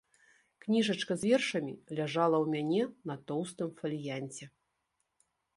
Кніжачка з вершамі ляжала ў мяне на тоўстым фаліянце.